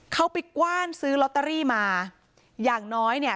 เขาไปกว้านซื้อลอตเตอรี่มาอย่างน้อยเนี่ย